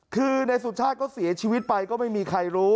คือนายสุชาติก็เสียชีวิตไปก็ไม่มีใครรู้